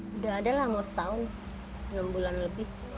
sudah ada lah mau setahun enam bulan lebih